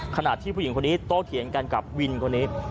ขณะที่ผู้หญิงคนนี้โตเถียงกันกับวินคนนี้